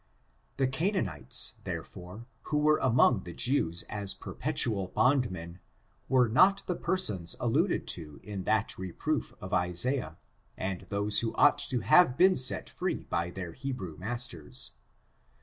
The Canaanites, therefore, who were among the Jews as perpetual bondmen, were not the persons alluded to in that reproof of Isaiah, and those who ought to have been set free by their Hebrew mas ters.